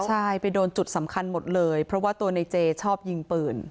ใช่ไปโดนจุดสำคัญหมดเลยเพราะว่าตัวในเจชอบยิงปืน